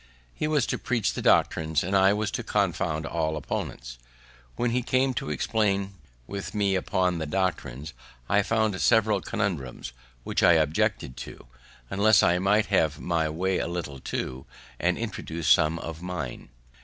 He was to preach the doctrines, and I was to confound all opponents. When he came to explain with me upon the doctrines, I found several conundrums which I objected to, unless I might have my way a little too, and introduce some of mine.